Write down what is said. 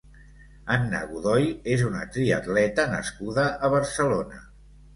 Anna Godoy és una triatleta nascuda a Barcelona.